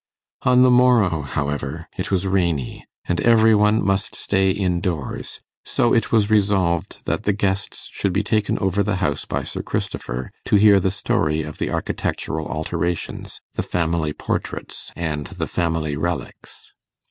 On the morrow, however, it was rainy, and every one must stay in doors; so it was resolved that the guests should be taken over the house by Sir Christopher, to hear the story of the architectural alterations, the family portraits, and the family relics.